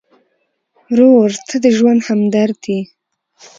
ورور ته د ژوند همدرد یې.